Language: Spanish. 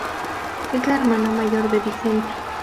Es la hermana mayor de Vicenta.